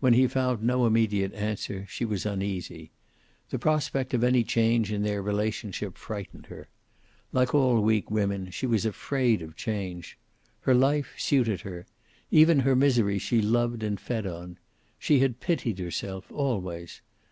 When he found no immediate answer, she was uneasy. The prospect of any change in their relationship frightened her. Like all weak women, she was afraid of change. Her life suited her. Even her misery she loved and fed on. She had pitied herself always.